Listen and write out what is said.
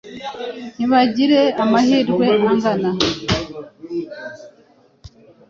ntibagire amahirwe angana,